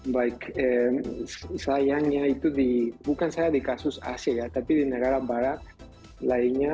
baik sayangnya itu bukan saya di kasus ase ya tapi di negara barat lainnya